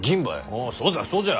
おぉそうじゃそうじゃ。